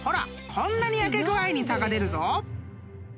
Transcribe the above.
こんなに焼け具合に差が出るぞ！］